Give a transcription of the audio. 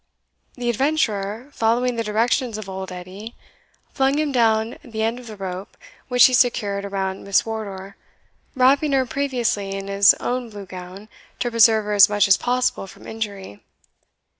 The adventurer, following the directions of old Edie, flung him down the end of the rope, which he secured around Miss Wardour, wrapping her previously in his own blue gown, to preserve her as much as possible from injury.